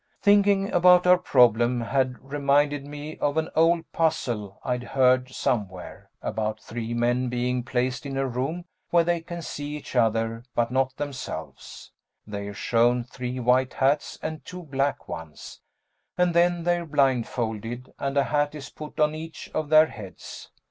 Thinking about our problem had reminded me of an old puzzle I'd heard somewhere about three men being placed in a room where they can see each other but not themselves; they're shown three white hats and two black ones, and then they're blindfolded and a hat is put on each of their heads.